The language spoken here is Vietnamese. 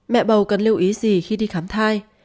mẹ bầu cần lưu ý gì khi đi khám thai